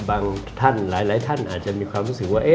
ท่านหลายท่านอาจจะมีความรู้สึกว่า